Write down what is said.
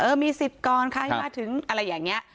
เออมีสิทธิ์ก่อนค่ะให้มาถึงอะไรอย่างนี้